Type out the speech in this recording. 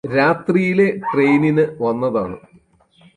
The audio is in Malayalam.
രാത്രിയിലെ ട്രെയിനിന് വന്നതാണ്